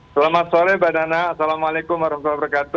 selamat sore badanak assalamualaikum wr wb